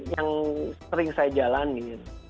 yang sering saya jalanin